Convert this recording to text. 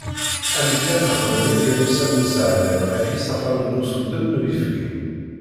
Amedya, nexdem yakan ussan n useɛlem ɣef yisafaren n usuddem n uyefki.